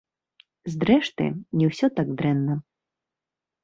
Зрэшты, не ўсё так дрэнна.